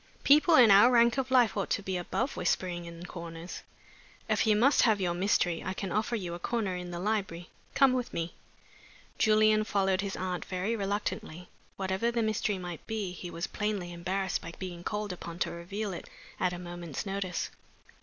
People in our rank of life ought to be above whispering in corners. If you must have your mystery, I can offer you a corner in the library. Come with me." Julian followed his aunt very reluctantly. Whatever the mystery might be, he was plainly embarrassed by being called upon to reveal it at a moment's notice.